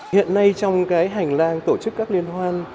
hiện nay trong cái hành lang tổ chức các liên hoan